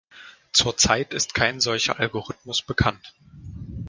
Zurzeit ist kein solcher Algorithmus bekannt.